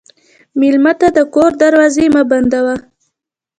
مېلمه ته د کور دروازې مه بندوه.